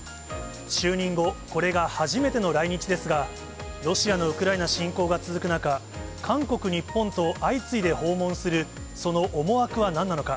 就任後、これが初めての来日ですが、ロシアのウクライナ侵攻が続く中、韓国、日本と相次いで訪問するその思惑はなんなのか。